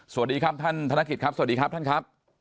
สวัสดีครับท่านธนกิจครับสวัสดีครับท่านครับ